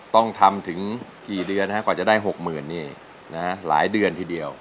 ต้องทำถึงกี่เดือนนะครับกว่าจะได้๖๐๐๐๐บาทนี่นะฮะหลายเดือนทีเดียว